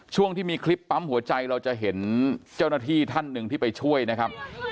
ช่วงที่มีคลิปปั๊มหัวใจเราจะเห็นเจ้าหน้าที่ท่านหนึ่งที่ไปช่วยนะครับ